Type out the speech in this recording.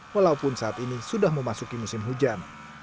walaupun saat ini sudah memasuki musim hujan